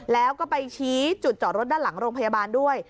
แล้วก็ไปชี้จุดจอดรถด้านหลังโรงพยาบาลด้วย